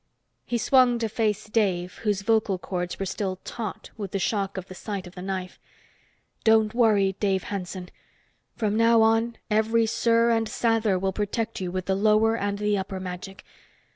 He swung to face Dave, whose vocal cords were still taut with the shock of the sight of the knife. "Don't worry, Dave Hanson. From now on, every Ser and Sather will protect you with the lower and the upper magic.